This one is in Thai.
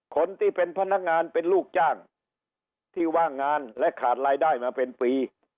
คนที่เป็นพนักงานเป็นลูกจ้างที่ว่างงานและขาดรายได้มาเป็นปี